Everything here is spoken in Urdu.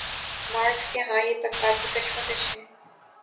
مارکس کے ہاں یہ طبقاتی کشمکش ہے۔